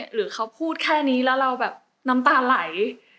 หรือเขาพูดแค่นี้แล้วเราแบบน้ำตาไหล